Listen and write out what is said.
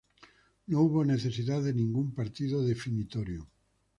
No hubo necesidad de ningún partido definitorio.